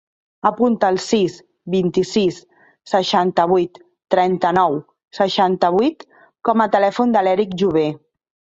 Apunta el sis, vint-i-sis, seixanta-vuit, trenta-nou, seixanta-vuit com a telèfon de l'Erik Jover.